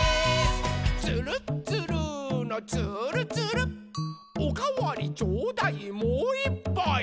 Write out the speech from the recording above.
「つるっつるーのつーるつる」「おかわりちょうだいもういっぱい！」